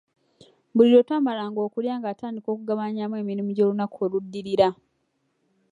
Buli lwetwamalanga okulya nga atandika okugabanyaamu emirimu gy'olunaku oluddirira.